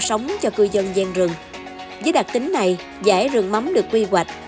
sống cho cư dân gian rừng với đặc tính này dãy rừng mắm được quy hoạch